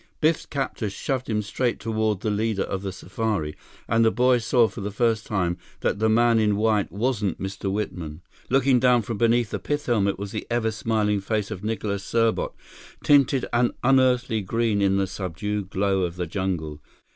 Biff's captor shoved him straight toward the leader of the safari, and the boy saw for the first time that the man in white wasn't Mr. Whitman. Looking down from beneath the pith helmet was the ever smiling face of Nicholas Serbot, tinted an unearthly green in the subdued glow of the jungle.